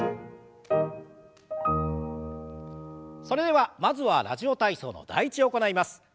それではまずは「ラジオ体操」の「第１」を行います。